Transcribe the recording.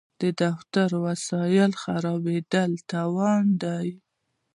د دفتر وسایل خرابول تاوان دی.